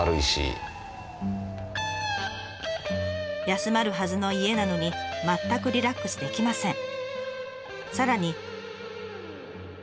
休まるはずの家なのに全くリラックスできません。